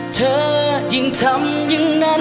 เธอยิ่งทำอย่างนั้น